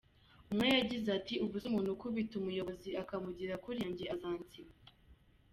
Umwe yagize ati « ubu se umuntu ukubita umuyobozi akamugira kuriya njye azansiga ?».